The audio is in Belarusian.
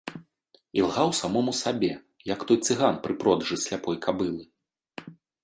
Ілгаў самому сабе, як той цыган пры продажы сляпой кабылы.